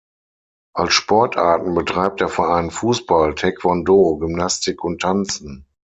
Als Sportarten betreibt der Verein Fußball, Taekwondo, Gymnastik und Tanzen.